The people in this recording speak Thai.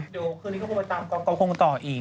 เดี๋ยวคืนนี้เขาคงต่อก๊อฟก็คงต่ออีก